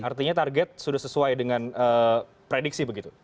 artinya target sudah sesuai dengan prediksi begitu